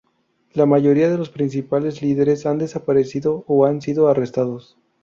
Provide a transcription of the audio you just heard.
La mayoría de los principales líderes han desaparecido o han sido arrestados.